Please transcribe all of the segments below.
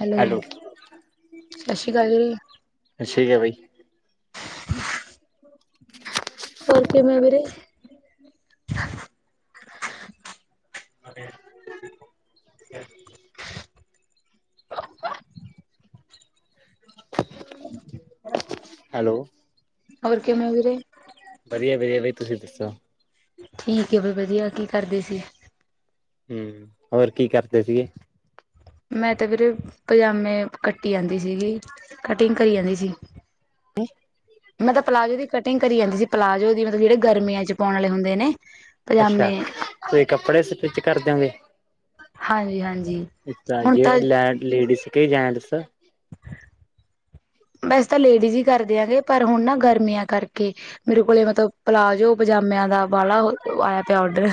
Hello, ਸਾਸ ਸ੍ਰੀ ਕਾਲ ਜੀ। ਸਸ ਸ੍ਰੀ ਕਾਲ ਬਾਈ। ਹੋਰ ਕਿਵੇਂ ਵੀਰੇ? ਹੈਲੋ ਹੋਰ ਕਿਵੇਂ ਓ ਵੀਰੇ? ਵਧੀਆ-ਵਧੀਆ ਬਈ ਤੁਸੀਂ ਦੱਸੋ? ਠੀਕ ਐ ਬਈ ਵਧੀਆ ਕੀ ਕਰਦੇ ਸੀ? ਹੂੰ ਹੋਰ ਕੀ ਕਰਦੇ ਸੀਗੇ? ਮੈਂ ਤੇ ਵੀਰੇ ਪਜ਼ਾਮੇ ਕੱਟੀ ਜਾਂਦੀ ਸੀਗੀ, ਕਟਿੰਗ ਕਰੀ ਜਾਂਦੀ ਸੀ। ਤੇ ਮਤਲਬ ਪਲਾਜ਼ੋ ਦੀ ਕਟਿੰਗ ਕਰੀ ਜਾਂਦੀ ਸੀ ਪਲਾਜ਼ੋ ਦੀ ਮਤਲਬ ਜਿਹੜੇ ਗਰਮੀਆਂ ਚ ਪਾਉਣ ਵਾਲੇ ਹੁੰਦੇ ਨੇ। ਅੱਛਾ ਪਜਾਮੇ, ਤੁਸੀਂ ਕੱਪੜੇ ਸਟਿਚ ਕਰ ਦਓਗੇ। ਹਾਂਜੀ ਹਾਂਜੀ। ਅੱਛਾ ਜੇ ਲੈਟ ਲੇਡੀਜ਼ ਕੇ ਜੇੈਂਟਸ। ਵੈਸੇ ਤਾਂ ਲੇਡੀਜ਼ ਹੀ ਕਰਦੇਆਂਗੇ ਪਰ ਹੁਣ ਨਾ ਗਰਮੀਆਂ ਕਰਕੇ ਮੇਰੇ ਕੋਲ ਮਤਲਬ ਪਲਾਜੋ ਪਜਾਮਿਆਂ ਦਾ ਬਾਲਾ ਆਇਆ ਪਿਆ ਔਡਰ।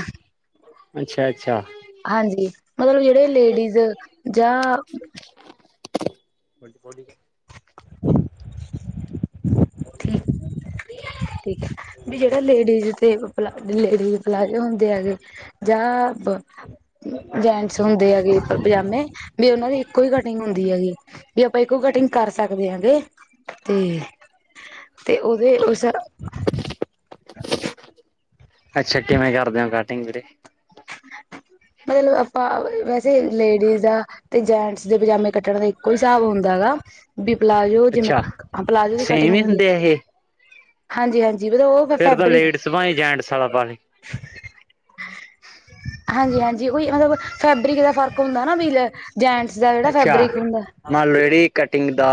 ਅੱਛਾ ਅੱਛਾ। ਹਾਂਜੀ ਮਤਲਬ ਜਿਹੜੇ ਲੇਡੀਜ਼ ਜਾਂ ਟ ਫੋਰਟੀ [unintelligible] ਠੀਕ ਠੀਕ ਹੈ ਵੀ ਜਿਹੜਾ ਲੇਡੀਜ਼ ਤੇ ਲਾ ਲੇਡੀਜ਼ ਪਲਾਜ਼ੋ ਹੁੰਦੇ ਆ ਗੇ ਜਾਂ ਜੈਂਟਸ ਹੁੰਦੇ ਐ ਗੇ ਉੱਪਰ ਪਜਾਮੇ ਵੀ ਉਹਨਾਂ ਦੀ ਇੱਕੋ ਹੀ ਕਟਿੰਗ ਹੁੰਦੀ ਏਗੀ। ਵੀ ਆਪਾਂ ਇੱਕੋ ਕਟਿੰਗ ਕਰ ਸਕਦੇ ਆ ਗੇ ਤੇ ਤੇ ਉਹਦੇ ਉਸ ਪੋਚ ਅੱਛਾ ਕਿਵੇਂ ਕਰਦੇ ਓ ਕਟਿੰਗ ਵੀਰੇ ਮਤਲਬ ਆਪਾਂ ਵੈਸੇ ਲੇਡੀਜ਼ ਆ ਤੇ ਜੈਂਟਸ ਦੇ ਪਜਾਮੇ ਕੱਟਣ ਦਾ ਇੱਕੋ ਈ ਸਾਬ ਹੁੰਦਾ ਏ ਗਾ। ਵੀ ਪਲਾਜ਼ੋ ਜਿਵੇਂ ਅੱਛਾ ਪਲਾਜ਼ੋ ਦੀ ਕਟਿੰਗ ਸੇਮ ਹੀ ਹੁੰਦੀ ਹੁੰਦੇ ਆ ਇਹ ਹਾਂਜੀ ਹਾਜੀ ਵੀਰੋ ਉ ਫੇਰ ਤਾਂ ਫੈਬਰਿਕ ਲੇਡੀਜ਼ ਭਾਵੇਂ ਜੈਂਟਸ ਵਾਲਾ ਪਾ ਲੇ ਹਾਂਜੀ ਹਾਂਜੀ ਕੋਈ ਮਤਲਬ ਫੈਬਰਿਕ ਦਾ ਫ਼ਰਕ ਹੁੰਦੇ ਨਾ ਵੀਰੇ ਜੈਂਟਸ ਦਾ ਜਿਹੜਾ ਅੱਛਾ ਫੈਬਰਿਕ ਹੁੰਦਾ। ਮੰਨ ਲਓ ਜਿਹੜੀ ਕਟਿੰਗ ਦਾ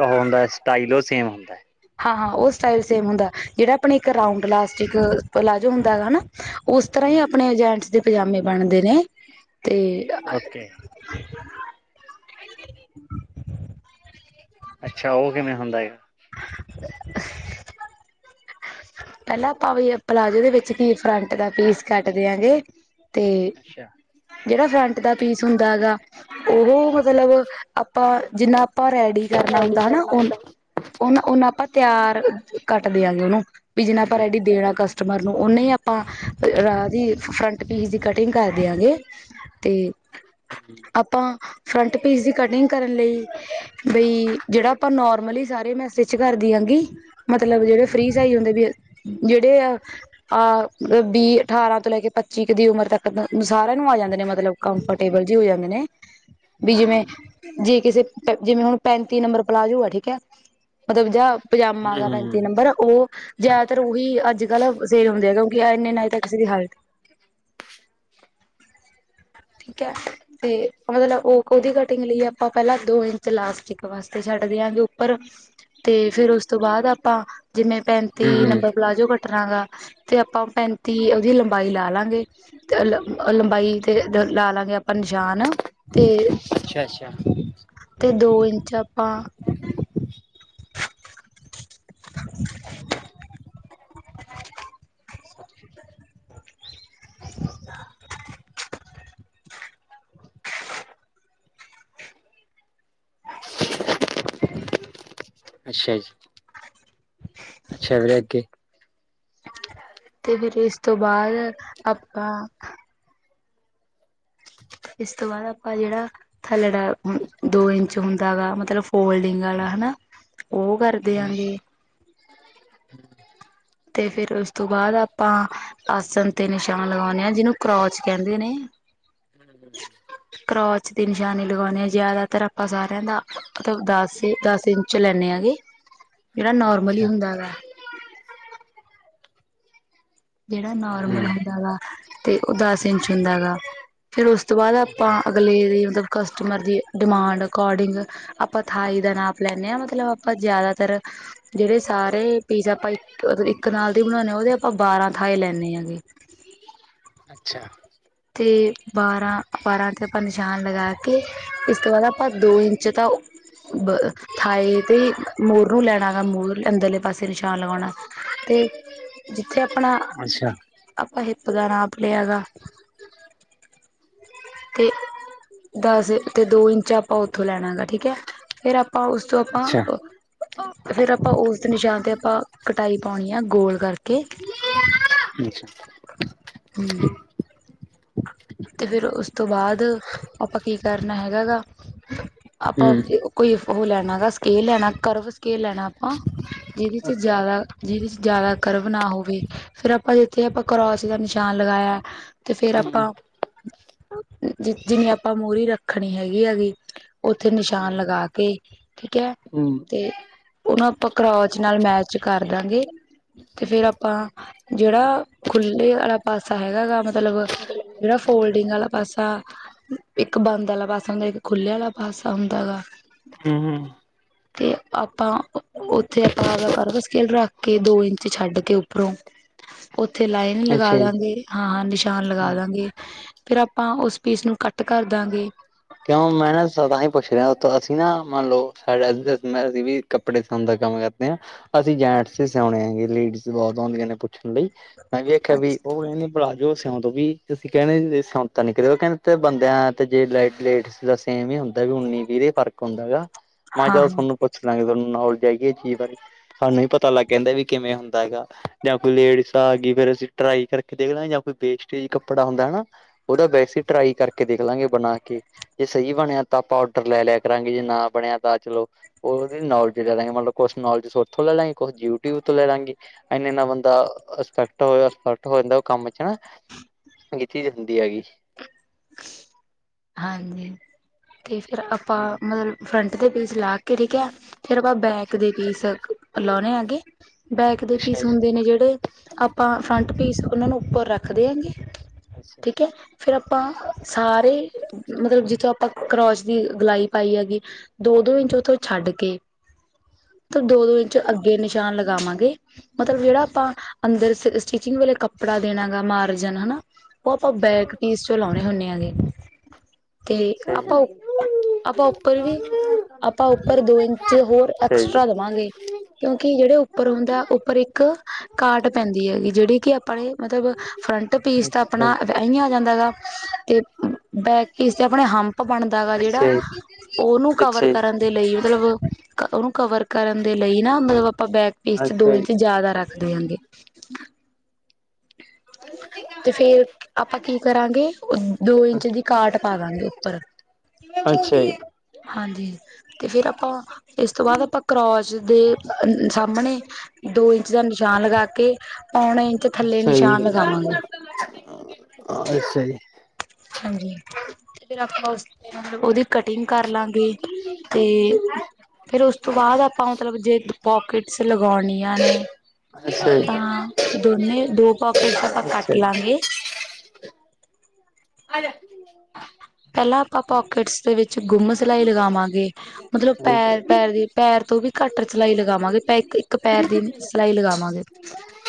ਉਹ ਹੁੰਦਾ ਸਟਾਈਲ ਉਹ ਸੇਮ ਹੁੰਦਾ। ਹਾਂ ਹਾਂ ਓ ਸਟਾਈਲ ਸੇਮ ਹੁੰਦਾ ਜਿਹੜਾ ਆਪਣੇ ਇੱਕ ਰਾਡ ਇਲਾਸਟਿਕ ਪਲਾਜੋ ਹੁੰਦਾ ਗਾ ਹੈਨਾ ਉਸ ਤਰ੍ਹਾਂ ਈ ਆਪਣੇ ਜੈਂਟਸ ਦੇ ਪਜਾਮੇ ਬਣਦੇ ਨੇ ਤੇ ਅਹ ਹ ਇਨੇ ਕੀ ਅੱਛਾ ਉਹ ਕਿਵੇਂ ਹੁੰਦੇ ਗਾ। ਪਹਿਲਾਂ ਆਪਾਂ ਵੀ ਪਲਾਜ਼ੋ ਦੇ ਵਿੱਚ ਹੀ ਫਰੰਟ ਦਾ ਪੀਸ ਕੱਟ ਦੇਿਆਂਗੇ। ਤੇ ਅੱਛਾ ਜਿਹੜਾ ਫਰੰਟ ਦਾ ਪੀਸ ਹੁੰਦਾ ਏ ਗਾ ਉਹ ਮਤਲਬ ਆਪਾਂ ਜਿੰਨਾ ਆਪਾਂ ਰੈਡੀ ਕਰਨਾ ਹੁੰਦੇ ਹੈਨਾ ਕਰਨਾ ਉਹ ਹੁੰਦਾ। ਉਨਾ ਓਨਾ ਆਪਾਂ ਤਿਆਰ ਕੱਟ ਦਿਆਂ ਗੇ ਉਹਨੂੰ ਵੀ ਜਿਨਾ ਆਪਾਂ ਰਡੀ ਦੇਣਾ ਕਸ ਕਸਟਮਰ ਨੂੰ ਉਹਨੇ ਹੀ ਆਪਾਂ ਰਾਹ ਦੀ ਫਰੰਟ ਪੀਸ ਦੀ ਕਟਿੰਗ ਕਰਦੇਿਆਂ ਗ ਤੇ ਆਪਾਂ ਫਰੰਟ ਪੀਸ ਦੀ ਕਟਿੰਗ ਕਰਨ ਲਈ ਬਈ ਜਿਹੜਾ ਆਪਾਂ ਨੋਰਮਲੀ ਸਾਰੇ ਮੈਂ ਸਟਿਚ ਕਰਦੀ ਆਂਗੀ ਮਤਲਬ ਜਿਹੜੇ ਫਰੀ ਸਾਈਜ਼ ਹੁੰਦੇ ਵੀ ਜਿਹੜੇ ਆਹ ਵੀਹ ਅਠਾਰਾਂ ਤੋਂ ਲੈ ਕੇ ਪੱਚੀ ਦੀ ਉਮਰ ਤੱਕ ਸਾਰਿਆਂ ਨੂੰ ਆ ਜਾਂਦੇ ਨੇ ਮਤਲਬ ਕੰਫਰਟੇਬਲ ਜੈ ਹੋ ਜਾਂਦੇ ਨੇ। ਵੀ ਜਿਵੇਂ ਜੇ ਕਿਸੇ ਜਿਵੇਂ ਹੁਣ ਪੈਂਤੀ ਨੰਬਰ ਪਲਾਜੂ ਐ ਠੀਕ ਏ। ਮਤਲਬ ਜ ਪਜਾਮਾ ਗਾ ਪੈਂਤੀ ਹੂੰ, ਨੰਬਰ ਉ ਜ਼ਿਆਦਾਤਰ ਉਹੀ ਅੱਜ ਕੱਲ੍ਹ ਸੇਲ ਹੁੰਦੇ ਗੇ ਕਿਉਂਕਿ ਇੰਨੇ ਨਾ ਤਾਂ ਕਿਸੇ ਦੀ ਹਾਈਟ ਠੀਕ ਐ। ਤੇ ਮਤਲਬ ਓ ਉਦੀ ਕਟਿੰਗ ਲਈ ਆਪਾਂ ਪੈਲਾਂ ਦੋ ਇੰਚ ਲਾਸਟਿਕ ਵਾਸਤੇ ਛੱਡ ਦਿਆਂਗੇ ਉੱਪਰ ਤੇ ਫਿਰ ਉਸ ਤੋਂ ਬਾਦ ਆਪਾਂ ਜਿਵੇਂ ਪੈਂਤੀ ਹੂੰ, ਨੰਬਰ ਪਲਾਜ਼ੋ ਕੱਟਨਾ ਹਗਾ। ਤੇ ਆਪਾਂ ਪੈਂਤੀ ਉਦੀ ਲੰਬਾਈ ਲਾ ਲਾਂਗੇ ਤੇ ਲੰ- ਲੰਬਾਈ ਤੇ ਲਾ ਲਾਂਗੇ ਆਪਾਂ ਨਿਸ਼ਾਨ ਤੇ ਅੱਛਾ-ਅੱਛਾ ਤੇ ਦੋ ਇੰਚ ਆਪਾਂ [inaudible] [inaudible] ਅੱਛਾ ਜੀ ਅੱਛਾ ਵੀਰੇ ਅੱਗੇ ਤੇ ਫਿਰ ਇਸ ਤੋਂ ਬਾਦ ਆਪਾਂ ਇਸ ਤੋਂ ਬਾਦ ਆਪਾਂ ਜੇੜਾ ਥੱਲੜਾ ਦੋ ਇੰਚ ਹੁੰਦਾ ਵਾ ਮਤਲਬ ਫੋਲਡਿੰਗ ਆਲਾ ਹਨਾ ਓ ਕਰ ਦਿਆਂਗੇ। ਤੇ ਫਿਰ ਉਸ ਤੋਂ ਬਾਦ ਆਪਾਂ ਆਸਨ ਤੇ ਨਿਸ਼ਾਨ ਲਗਾਉਂਣੇ ਆਂ ਜਿਨੂੰ ਕਰੋਚ ਕੈਂਦੇ ਨੇ। ਕ੍ਰੋਚ ਦੇ ਨਿ ਨਿਸ਼ਾਨੀ ਲਗਾਉਂਣੇ ਹਾਂ ਜਾਦਾਤਰ ਆਪਾਂ ਸਾਰਿਆਂ ਦਾ ਮਤਲਬ ਦਸ ਈ ਦਸ ਇੰਚ ਲੈਂਣੇ ਆਂ ਜੀ। ਜੇੜਾ ਨੋਰਮਲ ਈ ਅੱਛਾ, ਹੁੰਦਾ ਹੈਗਾ। ਜੇੜਾ ਹੂੰ। ਨੋਰਮਲ ਹੁੰਦਾ ਗਾ ਤੇ ਓ ਦਸ ਇੰਚ ਅੱਛਾ, ਹੁੰਦਾ ਹੈਗਾ। ਫਿਰ ਉਸ ਤੋਂ ਬਾਦ ਆਪਾਂ ਅੱਛਾ। ਅਗਲੇ ਮਤਲਬ ਕਸਟਮਰ ਦੀ ਡਿਮਾਂਡ ਅਕੋਡਿੰਗ ਆਪਾਂ ਥਾਈ ਦਾ ਨਾਪ ਲੈਂਣੇ ਆਂ ਮਤਲਬ ਆਪਾਂ ਜਾਦਾਤਰ ਜੇੜੇ ਸਾਰੇ ਪੀਜ਼ਾ ਆਪਾਂ ਇੱਕ ਨਾਲ ਦੀ ਬਣਾਉਂਣੇ ਆਂ ਉਦੇ ਆਪਾਂ ਬਾਰਾਂ ਥਾਏ ਲੈਂਣੇ ਹੈਗੇ। ਅੱਛਾ ਤੇ ਬਾਰਾਂ-ਬਾਰਾਂ ਤੇ ਆਪਾਂ ਨਿਸ਼ਾਨ ਲਗਾ ਕੇ ਇਸ ਤੋਂ ਬਾਦ ਆਪਾਂ ਦੋ ਇੰਚ ਤਾਂ ਬ ਥਾਏ ਤੇ ਮੋਰ ਨੂੰ ਲੈਣਾ ਗਾ ਮੋਰ ਅੰਦਰਲੇ ਪਾਸੇ ਨਿਸ਼ਾਨ ਲਗਾਉਣਾ ਤੇ ਜਿੱਥੇ ਆਪਣਾ ਅੱਛਾ, ਆਪਾਂ ਹਿੱਪ ਦਾ ਨਾਪ ਲਿਆ ਗਾ। ਤੇ ਦਸ ਤੇ ਦੋ ਇੰਚ ਆਪਾਂ ਉੱਥੋਂ ਲੈਣਾ ਗਾ ਠੀਕ ਹੈ ਫਿਰ ਆਪਾਂ ਉਸ ਤੋ ਅੱਛਾ, ਆਪਾਂ ਫਿਰ ਆਪਾਂ ਉਸ ਨਿਸ਼ਾਨ ਤੇ ਆਪਾਂ ਕਟਾਈ ਪਾਉਣੀ ਆ ਗੋਲ ਕਰਕੇ [inaudible] ਹੂੰ ਤੇ ਫਿਰ ਉਸ ਤੋਂ ਬਾਦ ਆਪਾਂ ਕੀ ਕਰਨਾ ਹੈਗਾ ਗਾ ਆਪਾਂ ਹੂੰ, ਕੋਈ ਓ ਲੈਣਾ ਗਾ ਸਕੇਲ ਲੈਣਾ ਕਰਵ ਸਕੇਲ ਲੈਣਾ ਆਪਾਂ ਜਿਦੇ 'ਚ ਓਕੇ, ਜਾਦਾ ਜਿਦੇ 'ਚ ਜਾਦਾ ਕਰਵ ਨਾ ਹੋਵੇ ਫਿਰ ਆਪਾਂ ਜਿੱਥੇ ਆਪਾਂ ਕਰੋਸ ਦਾ ਨਿਸ਼ਾਨ ਲਗਾਇਆ। ਤੇ ਫਿਰ ਹੂੰ, ਆਪਾਂ ਜ ਜਿਨੀ ਆਪਾਂ ਮੂਹਰੀ ਰੱਖਣੀ ਹੈਗੀ-ਹੈਗੀ। ਉੱਥੇ ਨਿਸ਼ਾਨ ਲਗਾ ਕੇ ਠੀਕ ਐ। ਹੂੰ, ਤੇ ਉਨੂੰ ਆਪਾਂ ਕਰੌਚ ਨਾਲ ਮੈਚ ਕਰ ਦਾਂਗੇ। ਤੇ ਫਿਰ ਆਪਾਂ ਜੇੜਾ ਖੁੱਲੇ ਆ ਪਾਸਾ ਹੈਗਾ ਗਾ ਮਤਲਬ ਜੇੜਾ ਫੋਲਡਿੰਗ ਆਲਾ ਪਾਸਾ ਇੱਕ ਬੰਦ ਆਲਾ ਪਾਸਾ ਹੁੰਦਾ ਇੱਕ ਖੁੱਲ੍ਹੇ ਆਲਾ ਪਾਸਾ ਹੁੰਦਾ ਗਾ। ਹੂੰ ਤੇ ਆਪਾਂ ਉੱਥੇ ਆਪਾਂ ਕਰਵ ਸਕੇਲ ਰੱਖ ਕੇ ਦੋ ਇੰਚ ਛੱਡ ਕੇ ਉੱਪਰੋਂ ਉੱਥੇ ਲਾਈਨ ਲਗਾ ਅੱਛਾ ਜੀ, ਦਾਂਗੇ ਹਾਂ-ਹਾਂ ਨਿਸ਼ਾਨ ਲਗਾ ਹੂੰ। ਦਾਂਗੇ। ਫੇਰ ਆਪਾਂ ਉਸ ਪੀਸ ਨੂੰ ਕੱਟ ਕਰ ਦਾਂਗੇ। ਕਿਉਂ ਮੈਂ ਨਾ ਤਾਂ ਹੀ ਪੁੱਛ ਰੇਆ ਉ ਅਸੀਂ ਨਾ ਮੰਨ ਲਓ ਸਾਡੈਂ ਵੀ ਕੱਪੜੇ ਸਿਣ ਦਾ ਕੰਮ ਕਰਦੇ ਆਂ, ਅਸੀਂ ਜੈਂਟਸ ਹੀ ਸਿਉਣੇ ਹੈਗੇ, ਲੇਡੀਜ਼ ਬੋਤ ਆਉਂਦੀਆਂ ਨੇ ਪੁੱਛਣ ਲਈ ਮੈਂ ਵੇਖਿਆ ਵੀ ਅੱਛਾ ਉਹ ਕਹਿੰ ਪਲਾਜ਼ੋ ਸਿਉਂਦੋ ਵੀ ਤੁਸੀਂ ਕੈਣੇ ਦੇ ਸਿਉਂ ਤਾਂ ਨਿਕਲੇ ਕੈਂਦੇ ਤੇ ਬੰਦਿਆਂ ਤੇ ਜੇ ਲਾਈਟ ਪਲੇਟ ਦਾ ਸੇਮ ਹੀ ਹੁੰਦਾ ਵੀ ਉੱਨੀ-ਵੀਹ ਫਰਕ ਹੁੰਦਾ ਗਾ, ਮੈਂ ਹਾਂ ਜਦੋਂ ਹਾਂ ਥੋਨੂੰ ਪੁੱਛ ਲਾਂਗੇ ਤਾਂਨੂੰ ਨਾਲੇਜ ਹੈਗੀ ਇਹ ਚੀਜ ਬਾਰੇ? ਸਾਨੂੰ ਵੀ ਪਤਾ ਲੱਗ ਗਿਆ ਵੀ ਕਿਵੇਂ ਹੁੰਦਾ ਹੈਗਾ ਜਾਂ ਕੋਈ ਲੇਡੀਸ ਆ ਗਈ ਫੇਰ ਅਸੀਂ ਟਰਾਈ ਕਰਕੇ ਦੇਖ ਲੈ ਜਾਂ ਕੋਈ ਵੇਸਟੇਜ ਕੱਪੜਾ ਹੁੰਦਾ ਹੈਨਾ। ਓਦਾ ਵੈਸੇ ਟਰਾਈ ਕਰਕੇ ਦੇਖ ਲਾਂਗੇ ਬਣਾ ਕੇ। ਜੇ ਸਈ ਬਣਿਆ ਤਾਂ ਆਪਾਂ ਔਡਰ ਲੈ ਲਿਆ ਕਰਾਂਗੇ, ਜੇ ਨਾ ਬਣੇਆ ਤਾਂ ਚਲੋ ਓਦੀ ਨੋਲੇਜ ਲੈ ਲਾਂਗੇ ਮਤਲਬ ਕੁਛ ਨੌਲੇਜ ਉੱਥੋਂ ਲੈ ਲਾਂਗੇ ਕੁਛ ਡਿਊਟੀ ਤੋਂ ਲੈ ਲਵਾਂਗੇ। ਏਨਾ-ਏਨਾ ਬੰਦਾ ਅਸਪੈਕਟ ਹੋਆ ਈਪੈਕਟ ਹੋ ਜਾਂਦਾ ਕੰਮ ਚ ਹਨਾ। ਏ ਚੀਜ ਹੁੰਦੀ ਹੈਗੀ। ਹਾਂਜੀ, ਤੇ ਫੇਰ ਆਪਾਂ ਮਤਲਬ ਫਰੰਟ ਦੇ ਪੇਚ ਲਾ ਕੇ ਠੀਕ ਐ, ਫਿਰ ਆਪਾਂ ਬੈਕ ਅੱਛਾ ਦੇ ਪੀਸ ਲਾਉਣੇ ਆਗੇ ਬੈਕ ਦੇ ਅੱਛਾ ਪੀਸ ਜੀ ਹੁੰਦੇ ਨੇ ਜੇੜੇ, ਆਪਾਂ ਫਰੰਟ ਅੱਛਾ ਪੀਸ ਉਨਾਂ ਨੂੰ ਉੱਪਰ ਰੱਖਦੇ ਆਂਗੇ [inaudible] ਹੈ ਫੇਰ ਆਪਾਂ ਸਾਰੇ ਮਤਲਬ ਜਿੱਥੋਂ ਆਪਾਂ ਕਰੋਚ ਦੀ ਗਲਾਈ ਪਾਈ ਹੈਗੀ, ਦੋ-ਦੋ ਇੰਚ ਉੱਥੋਂ ਛੱਡ ਕੇ ਦੋ-ਦੋ ਇੰਚ ਅੱਗੇ ਨਿਸ਼ਾਨ ਲਗਾਵਾਂਗੇ, ਮਤਲਬ ਜੇੜਾ ਆਪਾਂ ਅੰਦਰ ਸਿ ਸਟਿਚਿੰਗ ਵੇਲੇ ਕੱਪੜਾ ਦੇਣਾ ਗਾ ਮਾਰਜਨ ਹਨਾ, ਓ ਆਪਾਂ ਅੱਛਾ ਜੀ ਬੈਕ ਪੀਸ ਚੋਂ ਲਾਉਣੇ ਹੁੰਦੇ ਆਗੇ। ਤੇ ਆਪਾਂ ਆਪਾਂ ਉੱਪਰ ਵੀ, ਆਪਾਂ ਉੱਪਰ ਦੋ ਇੰਚ ਹੋਰ ਅੱਛਾ ਜੀ ਅੱਛਾ ਜੀ ਅੱਛਾ ਜੀ ਅੱਛਾ ਐਕਸਟਰਾ ਦੇਵਾਂਗੇ। ਕਿਉਂਕਿ ਜੇੜੇ ਉੱਪਰ ਹੁੰਦਾ, ਉੱਪਰ ਇੱਕ ਕਾਟ ਪੈਂਦੀ ਹੈਗੀ ਜੇੜੀ ਕਿ ਆਪਣੇ ਮਤਲਬ ਫਰੰਟ ਪੀਸ ਤਾਂ ਆਪਣਾ ਐਂਈ ਆ ਜਾਂਦਾ ਗਾ, ਤੇ ਬੈਕ ਪੀਸ ਤੇ ਆਪਣੇ ਹੰਪ ਬਣਦਾ ਗਾ ਜੇੜਾ, ਓਨੂੰ ਕਵਰ ਕਰਨ ਦੇ ਲਈ ਮਤਲਬ ਓਨੂੰ ਕਵਰ ਕਰਨ ਦੇ ਲਈ ਨਾ, ਜੀ ਮਤਲਬ ਆਪਾਂ ਬੈਕ ਪੀਸ ਚ ਅੱਛਾ ਦੋ ਇੰਚ ਜੀ ਜਾਦਾ ਰੱਖ ਦੇਹਾਂਗੇ। [inaudible] ਤੇ ਫੇਰ ਆਪਾਂ ਕੀ ਕਰਾਂਗੇ, ਦੋ ਇੰਚ ਦੀ ਕਾਟ ਪਾਵਾਂਗੇ ਉੱਪਰ। ਠੀਕ ਅੱਛਾ ਜੀ। ਹਾਂਜੀ, ਤੇ ਫੇਰ ਆਪਾਂ ਇਸ ਤੋਂ ਬਾਦ ਆਪਾਂ ਕਰੋਚ ਦੇ ਅ ਸਾਹਮਣੇ ਦੋ ਇੰਚ ਦਾ ਨਿਸ਼ਾਨ ਲਗਾ ਕੇ ਪੌਣਾ ਇੰਚ ਥੱਲੇ ਸਈ ਏ, ਨਿਸ਼ਾਨ ਲਗਾਵਾਂਗੇ ਅਛਾ ਜੀ। ਹਾਂਜੀ, ਤੇ ਫਿਰ ਆਪਾਂ ਉਸਦੀ ਮਤਲਬ, ਓਦੀ ਕਟਿੰਗ ਕਰ ਲਾਂਗੇ। ਤੇ ਫੇਰ ਓਸ ਤੋਂ ਬਾਅਦ ਆਪਾਂ ਮਤਲਬ ਜੇ ਪੋਕਿਟਸ ਲਗੋਂਣੀਆਂ ਨੇ ਅੱਛਾ ਜੀ, ਹਾਂ, ਦੋਨੇ ਦੋ ਪੌਕੇਟਸ ਆਪ ਆਪਾਂ ਅੱਛਾ ਕੱਟ ਜੀ, ਲਾਂਗੇ। ਪੈਲਾਂ ਆਪਾਂ ਪਾਕਿਟਸ ਦੇ ਵਿੱਚ ਗੁੰਮ ਸਿਲਾਈ ਲਗਾਵਾਂਗੇ। ਮਤਲਬ ਹੈਲੋ ਹੂੰ। ਪੈਰ ਪੈਰ ਦੀ, ਪੈਰ ਤੋਂ ਵੀ ਘੱਟ ਚਲਾਈ ਲਗਾਵਾਂਗੇ ਪੈ ਇੱਕ ਪੈਰ ਦੀ ਸਿਲਾਈ ਲਗਾਵਾਂਗੇ।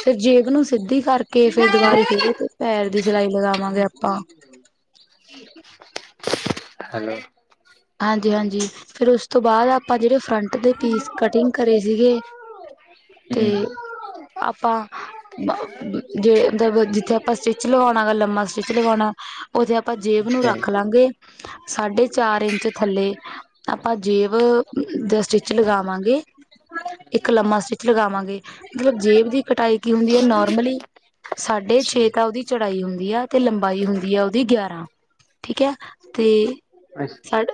ਫੇਰ ਜੇਬ ਨੂੰ ਸਿੱਧੀ ਕਰਕੇ, ਫਿਰ ਦੁਬਾਰਾਂ ਫੇਰ ਉਹ ਪੈਰ ਦੀ ਸਿਲਾਈ ਲਗਾਵਾਂਗੇ ਆਪਾਂ। ਹ [inaudible] ਹੈਲੋ। ਹਾਂਜੀ-ਹਾਂਜੀ। ਫੇਰ ਉਸ ਤੋਂ ਬਾਅਦ ਆਪਾਂ ਜੇੜੇ ਫਰੰਟ ਦੇ ਪੀਸ ਕਟਿੰਗ ਕਰੇ ਸੀਗੇ ਹੂੰ। ਆਪਾਂ ਜੇੜੇ ਮਬ ਜਿੱਥੇ ਆਪਾਂ ਸਟਿਚ ਲਗਾਣਾ ਲੰਮਾ ਸਟਿਚ ਲਗਣਾ ਓਥੇ ਆਪਾਂ ਜੇਬ ਨੂੰ ਅੱਛਾ ਜੀ, ਰੱਖ ਲਾਂਗੇ, ਸਾਢੇ ਚਾਰ ਇੰਚ ਤੇ ਥੱਲੇ ਆਪਾਂ ਜੇਬ ਦਾ ਸਟਿੱਚ ਲਗਾਵਾਂਗੇ। ਇੱਕ ਲੰਮਾ ਸਟਿਚ ਲਗਾਵਾਂਗੇ, ਮਤਲਬ ਜੇਬ ਦੀ ਕਟਾਈ ਕੀ ਹੁੰਦੀ ਐ ਨੋਰਮਲੀ ਸਾਢੇ ਛੇ ਕਾਲ ਦੀ ਚੜਾਈ ਹੁੰਦੀ ਐ, ਤੇ ਲੰਬਾਈ ਹੁੰਦੀ ਐ ਓਦੀ ਗਿਆਰਾਂ ਠੀਕ ਐ ਤੇ ਅੱਛਾ ਛੱਡ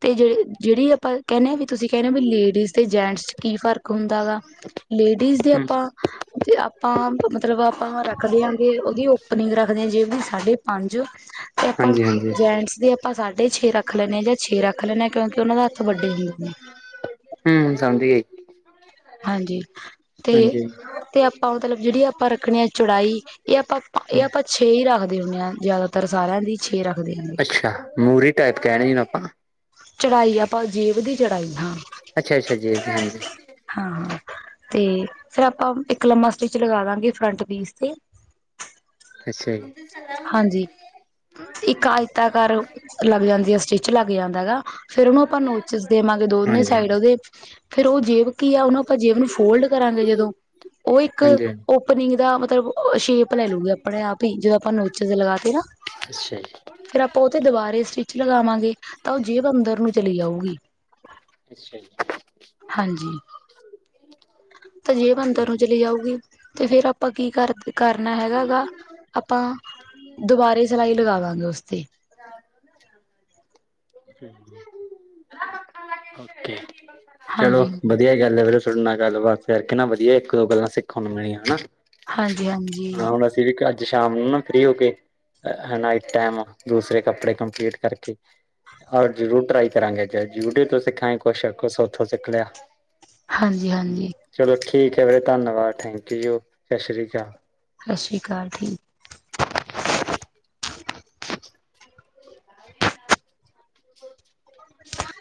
ਤੇ ਜ ਜੇੜੀ ਆਪਾਂ ਕੈਣੇ ਆ ਵੀ, ਤੁਸੀਂ ਕੈਣੇ ਓ ਵੀ ਲੇਡੀਜ਼ ਤੇ ਜੈਂਟਸ ਚ ਕੀ ਫਰਕ ਹੁੰਦਾ ਵਾ ਲੇਡੀਜ਼ ਦੀ ਹੂੰ। ਅਪਾਂ ਤੇ ਆਪਾਂ ਮਤਲਬ ਆਪਾਂ ਰੱਖਦੇ ਆਂਗੇ, ਓਦੀ ਓਪਨਿੰਗ ਰੱਖਦੇ ਹਾਂ ਜੇਬ ਦੀ ਸਾਢੇ ਪੰਜ ਤੇ ਆਪਾਂ ਹਾਂਜੀ-ਹਾਂਜੀ, ਜੈਂਟਸ ਦੀ ਆਪਾਂ ਸਾਢੇ ਛੇ ਰੱਖ ਰੱਖ ਲੈਣੇ ਜਾਂ ਛੇ ਰੱਖ ਲੈਣੇ ਆ, ਕਿਉਂਕਿ ਓਨਾਂ ਦੇ ਹੱਥ ਵੱਡੇ ਹੁੰਦੇ ਨੇ। ਵੀ ਸਮਝ ਗਈ। ਹਾਂਜੀ ਹਾਂਜੀ। ਤੇ-ਤੇ ਆਪਾਂ ਮਤਲਬ ਜੇੜੀ ਆਪਾਂ ਰੱਖਣੀ ਆ ਚੌੜਾਈ ਏ ਆਪਾਂ ਏ ਆਪਾਂ ਛੇ ਈ ਰੱਖਦੇ ਹੁੰਣੇ ਆਂ ਜਿਆਦਾਤਰ ਸਾਰਿਆਂ ਦੀ ਛੇ ਰੱਖ ਅੱਛਾ ਮੂਰੀ ਟਾਈਪ ਕੈਣੇ ਈ ਆਪਾਂ ਚੜਾਈ ਆਪਾਂ ਜੇਬ ਦੀ ਚੜਾਈ ਹਾਂ ਅੱਛਾ-ਅੱਛਾ ਜੇਬ ਦੀ ਹਾਂਜੀ। ਹਾਂ-ਹਾਂ। ਤੇ ਫੇਰ ਆਪਾਂ ਇੱਕ ਲੰਮਾ ਸਟਿਚ ਲਗਾ ਦਾਂਗੇ ਫਰੰਟ ਪੀਸ ਤੇ ਅੱਛਾ ਜੀ, ਹਾਂਜੀ, ਇੱਕ ਹਾਂਜੀ-ਹਾਂਜੀ, ਆ ਈ ਐ ਕਰ ਲੱਗ ਜਾਂਦੀ ਐ ਸਟਿੱਚ ਲੱਗ ਜਾਂਦਾ ਹੈਗਾ। ਫੇਰ ਓਨੂੰ ਆਪਾਂ ਨੋਚਿਸ ਦੇਵਾਂਗੇ ਦੋਨੇ ਸਾਈਡ ਹਾਂਜੀ-ਹਾਂਜੀ, ਓਦੇ ਫੇਰ ਓ ਜੇਬ ਕੀ ਆ ਓਨੂੰ ਆਪਾਂ ਜੇਬ ਨੂੰ ਫੋਲਡ ਕਰਾਂਗੇ ਜਦੋਂ ਓ ਇੱਕ ਓਪਨ ਈ ਦਾ ਮਤਲਬ ਸ਼ੇਪ ਪ ਲੈ ਲੂਗੀ ਆਪਣੇ ਆਪ ਈ ਜਦੋਂ ਆਪਾਂ ਨੋਚਿਸ ਲਗਾ ਤੇ ਨਾ ਅੱਛਾ ਜੀ। ਫੇਰ ਆਪਾਂ ਓਥੇ ਦੋਬਾਰੇ ਸਟਿਚ ਲਗਾਵਾਂਗੇ ਤਾਂ ਓ ਜੇਬ ਅੰਦਰ ਨੂੰ ਚਲੀ ਜਾਊਗੀ। ਅੱਛਾ ਜੀ। ਤੇ ਜੇਬ ਓਕੇ, ਅੰਦਰ ਨੂੰ ਚਲੀ ਜਾਊਗੀ ਤੇ ਫੇਰ ਆਪਾਂ ਕੀ ਕਰ ਕਰਨਾ ਹੈਗਾ ਗਾ ਆਪਾਂ ਦੋਬਾਰੇ ਸਿਲਾਈ ਲਗਾਦਾਂਗੇ ਉਸਤੇ। [unintelligible] ਓਕੇ। ਚਲੋ ਹਾਂਜੀ ਵਧੀਆ ਗੱਲ ਐ ਫਿਰ [unintelligible] ਨਾਲ ਗੱਲਬਾਤ ਕਰਕੇ ਨਾ ਵਧੀਆ ਇੱਕ ਦੋ ਗੱਲਾਂ ਸਿੱਖਣ ਨੂੰ ਮਿਲੀਆਂ ਹੈਨਾ। ਹਾਂਜੀ-ਹਾਂਜੀ। ਹਾਂ ਹੁਣ ਅਸੀਂ ਵੀ ਕੱਰ ਚ ਸ਼ਾਮ ਨੂੰ ਨਾ ਫ੍ਰੀ ਹੋ ਕੇ ਹੈ ਨਾਈਟ ਟੈਮ ਦੂਸਰੇ ਕੱਪੜੇ ਕੰਪਲੀਟ ਕਰਕੇ ਹੋਰ ਜ਼ਰੂਰ ਟਰਾਈ ਕਰਾਂਗੇ ਜਾ ਯੂਟਿਊਬ ਤੋਂ ਸਿੱਖਾਂਗੇ ਕੁੱਛ ਕੁੱਛ ਓਥੋਂ ਸਿੱਖ ਲਯਾ। ਹਾਂਜੀ ਹੂੰ ਹਾਂਜੀ ਚਲੋ ਠੀਕ ਐ ਵੀਰੇ ਧੰਨਵਾਦ ਥੈਂਕ ਯੂ ਜੀ ਸਤਿ ਸ੍ਰੀ ਕਾਲ। ਸਤਿ ਸ਼੍ਰੀ ਅਕਾਲ ਠੀ [inaudible]